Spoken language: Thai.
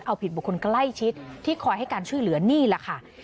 เอาผิดบุคคลใกล้ชิดที่คอยให้การช่วยเหลือนี่แหละค่ะ